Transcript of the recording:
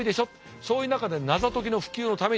そういう中で謎解きの普及のためにですね